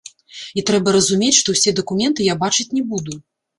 І трэба разумець, што ўсе дакументы я бачыць не буду.